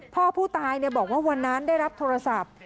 พ่อผู้ตายบอกว่าวันนั้นได้รับโทรศัพท์